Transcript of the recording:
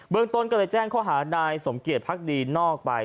เบื้องต้นก็เลยแจ้งข้อหารายสมเกียรติภักดีนอกไป